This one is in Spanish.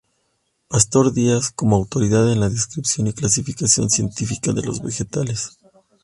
Pastor Díaz como autoridad en la descripción y clasificación científica de los vegetales.